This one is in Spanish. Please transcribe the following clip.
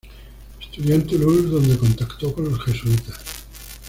Estudió en Toulouse donde contactó con los jesuitas.